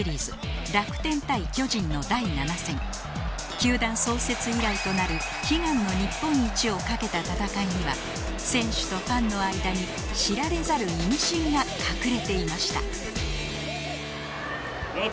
球団創設以来となる悲願の日本一をかけた戦いには選手とファンの間に知られざるイミシンが隠れていました